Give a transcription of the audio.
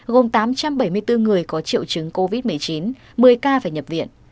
gồm tám trăm bảy mươi bốn người có triệu chứng covid một mươi chín một mươi ca phải nhập viện